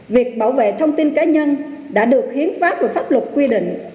việc bảo vệ thông tin cá nhân đã được hiến pháp và pháp luật quy định